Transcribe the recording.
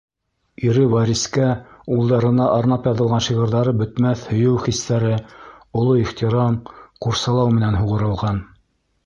Ире Вәрискә, улдарына арнап яҙылған шиғырҙары бөтмәҫ һөйөү хистәре, оло ихтирам, ҡурсалау менән һуғарылған!